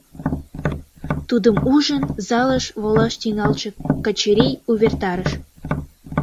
Тудым ужын, залыш волаш тӱҥалше Качырий увертарыш: